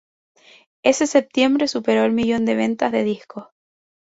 Ese septiembre, superó el millón de ventas de discos.